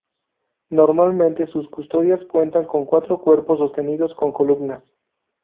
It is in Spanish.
Normalmente sus custodias cuentan con cuatro cuerpos sostenidos con columnas.